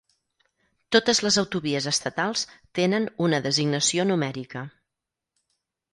Totes les autovies estatals tenen una designació numèrica.